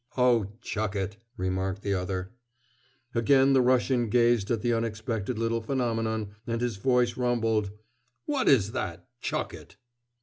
"Oh, chuck it!" remarked the other. Again the Russian gazed at the unexpected little phenomenon, and his voice rumbled: "What is that 'chuck it'?"